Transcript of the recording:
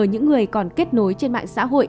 những người còn kết nối trên mạng xã hội